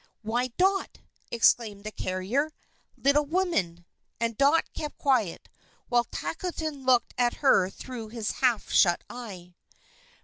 "Why, Dot!" exclaimed the carrier. "Little woman!" And Dot kept quiet, while Tackleton looked at her through his half shut eye.